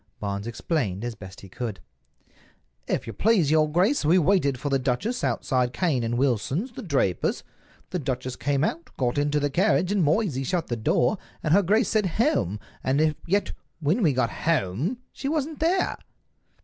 Barnes explained as best he could. "If you please, your grace, we waited for the duchess outside Cane and Wilson's, the drapers. The duchess came out, got into the carriage, and Moysey shut the door, and her grace said, 'Home!' and yet when we got home she wasn't there."